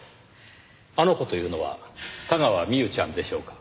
あの子というのは田川未歩ちゃんでしょうか。